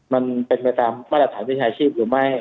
มันเป็นไปตามมาตรฐานวิชาชีพหรือไม่